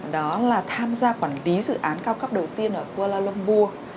đó là tham gia quản lý dự án cao cấp đầu tiên ở kuala lumburg